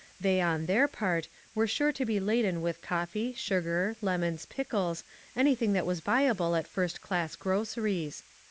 They, on their part, were sure to be laden with coffee, sugar, lemons, pickles, anything that was buyable at first class groceries.